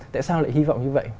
tại sao lại hy vọng như vậy